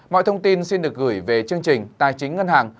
mọi thông tin xin được gửi về chương trình tài chính ngân hàng